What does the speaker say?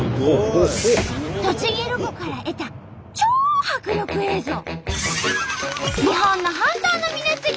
栃木ロコから得た超迫力映像！